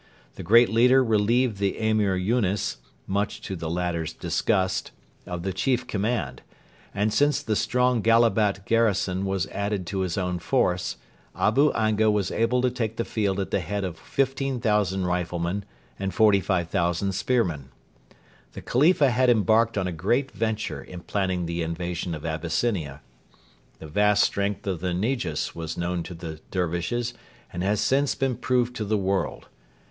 The great leader relieved the Emir Yunes, much to the latter's disgust, of the chief command, and, since the strong Gallabat garrison was added to his own force, Abu Anga was able to take the field at the head of 15,000 riflemen and 45,000 spearmen. The Khalifa had embarked on a great venture in planning the invasion of Abyssinia. The vast strength of the Negus was known to the Dervishes, and has since been proved to the world.